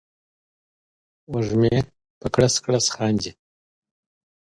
وږمې په کړس، کړس خاندي